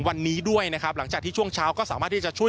วันนี้ด้วยนะครับหลังจากที่ช่วงเช้าก็สามารถที่จะช่วย